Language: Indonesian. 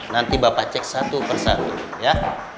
nanti bapak cek satu per satu ya